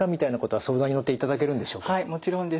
はいもちろんです。